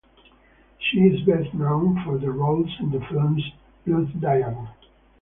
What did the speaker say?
She is best known for the roles in the films "Blood Diamond".